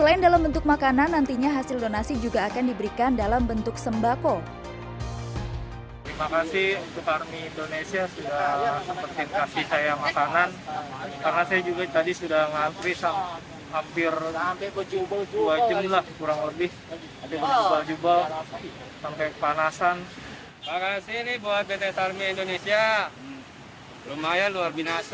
hai saya mas anand karena saya juga tadi sudah ngantri sampai hampir sampai kecuali